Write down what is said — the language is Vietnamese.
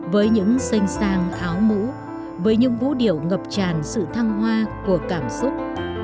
với những xanh sang áo mũ với những vũ điệu ngập tràn sự thăng hoa của cảm xúc